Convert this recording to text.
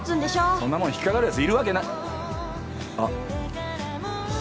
そんなもん引っかかるヤツいるわけないあっ。